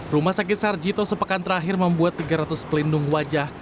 rumah sakit sarjito sepekan terakhir membuat tiga ratus pelindung wajah